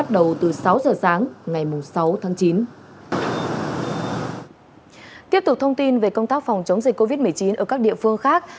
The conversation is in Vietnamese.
tiếp tục thông tin về công tác phòng chống dịch covid một mươi chín ở các địa phương khác